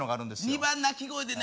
２番鳴き声でね